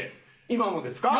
今もですか？